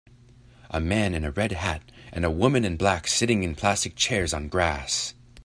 A man in a red hat and a woman in black sitting in plastic chairs on grass.